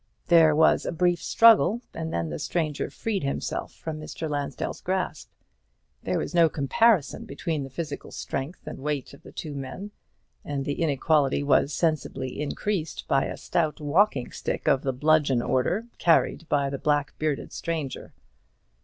There was a brief struggle, and then the stranger freed himself from Mr. Lansdell's grasp. There was no comparison between the physical strength and weight of the two men; and the inequality was sensibly increased by a stout walking stick of the bludgeon order carried by the black bearded stranger.